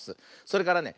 それからね